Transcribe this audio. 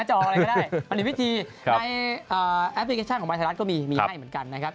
จองอะไรก็ได้มันมีวิธีในแอปพลิเคชันของมายไทยรัฐก็มีมีให้เหมือนกันนะครับ